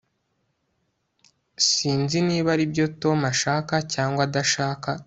Sinzi niba aribyo Tom ashaka cyangwa adashaka